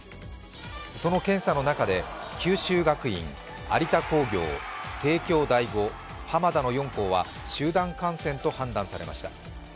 その検査の中で、九州学院、有田工業、帝京第五、浜田の４校は集団感染と判断されました。